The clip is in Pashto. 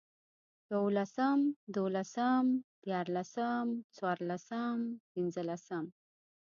يوولسم، دوولسم، ديارلسم، څلورلسم، پنځلسم